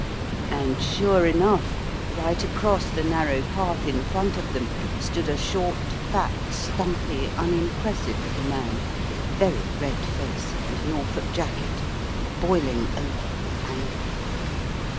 And sure enough, right across the narrow path in front of them stood a short, fat, stumpy, unimpressive little man, with a very red face, and a Norfolk jacket, boiling over with anger.